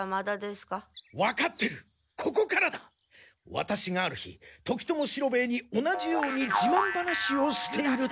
ワタシがある日時友四郎兵衛に同じようにじまん話をしていると。